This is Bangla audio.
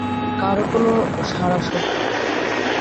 কারো কোনো সাড়া শব্দ নেই।